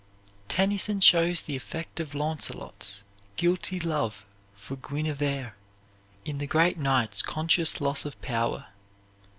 Tennyson shows the effect of Launcelot's guilty love for Guinevere, in the great knight's conscious loss of power.